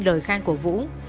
lời khang của vũ